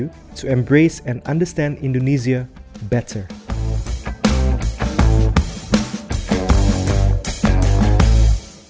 untuk mengambil alih dan memahami indonesia dengan lebih baik